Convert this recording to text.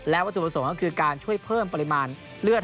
วัตถุประสงค์ก็คือการช่วยเพิ่มปริมาณเลือด